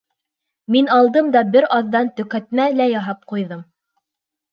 Мин алдым да бер аҙҙан төкәтмә лә яһап ҡуйҙым.